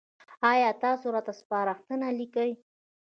ایا تاسو راته سپارښتنه لیکئ؟